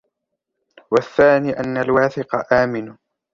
وَالثَّانِي أَنَّ الْوَاثِقَ آمِنٌ